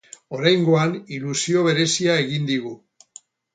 Oraingoan, ilusio berezia egin digu.